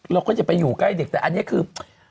เราก็จะไปอยู่ใกล้เด็กแต่อันนี้คือ